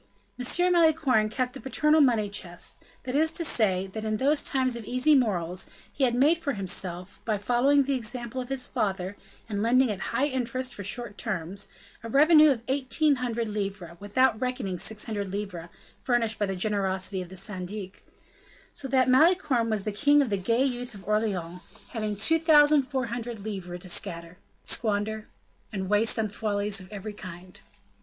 M. Malicorne kept the paternal money chest; that is to say, that in those times of easy morals, he had made for himself, by following the example of his father, and lending at high interest for short terms, a revenue of eighteen hundred livres, without reckoning six hundred livres furnished by the generosity of the syndic; so that Malicorne was the king of the gay youth of Orleans, having two thousand four hundred livres to scatter, squander, and waste on follies of every kind.